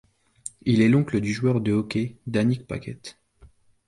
Il est l'oncle du joueur de hockey Danick Paquette.